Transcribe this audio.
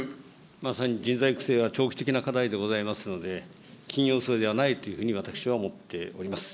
まさに人材育成は長期的な課題でございますので、緊要そうではないというふうに私は思っております。